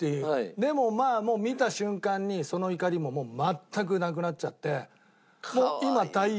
でもまあ見た瞬間にその怒りも全くなくなっちゃって今大変。